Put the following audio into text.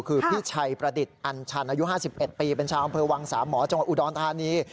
คือพี่ชัยประดิษฐ์อัญชันอายุ๕๑ปีเป็นชาวอำเภอวังสามหมอจังหวัดอุดรธานี